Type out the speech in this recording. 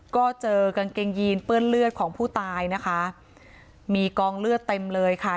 ก็เจอกางเกงยีนเปื้อนเลือดของผู้ตายนะคะมีกองเลือดเต็มเลยค่ะ